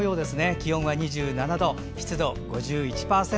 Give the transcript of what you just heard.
気温は２７度、湿度５１％。